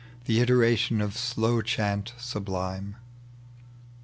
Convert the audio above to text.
The iteration of slow chant sublime.